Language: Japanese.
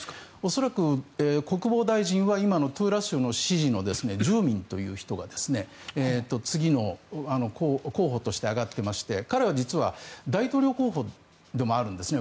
恐らく、国防大臣は今のトゥーラ州の知事のジューミンという人が次の候補として挙がっていまして彼は大統領候補でもあるんですね。